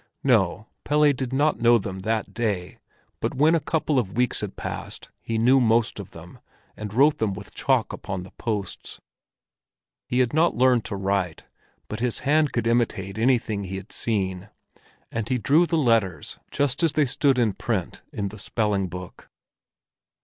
No, Pelle did not know them that day, but when a couple of weeks had passed, he knew most of them, and wrote them with chalk on the posts. He had not learned to write, but his hand could imitate anything he had seen, and he drew the letters just as they stood in print in the spelling book.